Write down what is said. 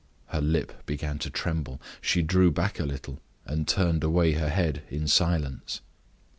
Her lip began to tremble, she drew back a little, and turned away her head in silence.